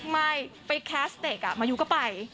ไม่ไปแคสต์เด็กมายูก็ไป